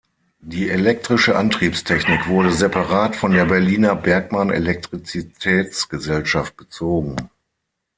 Die elektrische Antriebstechnik wurde separat von der Berliner "Bergmann-Electrizitätsgesellschaft" bezogen.